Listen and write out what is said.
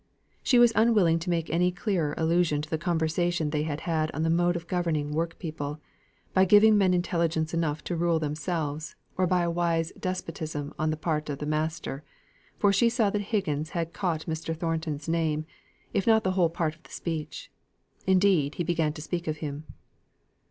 She was unwilling to make any clearer allusion to the conversation they had held on the mode of governing work people by giving men intelligence enough to rule themselves, or by a wise despotism on the part of the master for she saw that Higgins had caught Mr. Thornton's name, if not the whole of the speech: indeed, he began to speak of him.